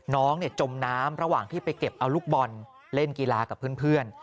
จมน้ำระหว่างที่ไปเก็บเอาลูกบอลเล่นกีฬากับเพื่อน